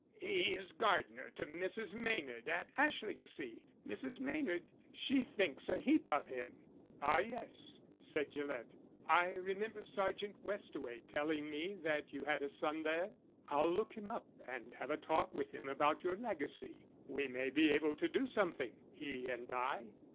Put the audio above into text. "He is gard'ner to Mrs. Maynard at Ashlingsea. Mrs. Maynard she thinks a heap of him." "Ah, yes," said Gillett. "I remember Sergeant Westaway telling me that you had a son there. I'll look him up and have a talk with him about your legacy. We may be able to do something he and I."